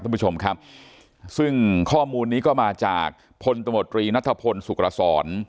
ท่านผู้ชมครับซึ่งข้อมูลนี้ก็มาจากพลตมตรีนัทพลสุขรสร